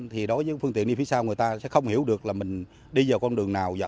thì đối với những phương tiện đi phía sau người ta sẽ không hiểu được là mình đi vào con đường nào